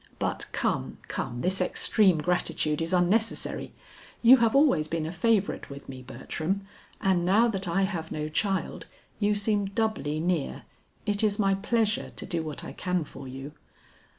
But come, come, this extreme gratitude is unnecessary. You have always been a favorite with me, Bertram, and now that I have no child, you seem doubly near; it is my pleasure to do what I can for you.